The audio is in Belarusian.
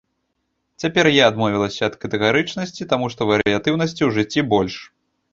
Цяпер я адмовілася ад катэгарычнасці, таму што варыятыўнасці ў жыцці больш.